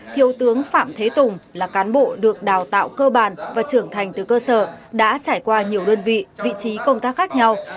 thiếu tướng phạm thế tùng là cán bộ được đào tạo cơ bản và trưởng thành từ cơ sở đã trải qua nhiều đơn vị vị trí công tác khác nhau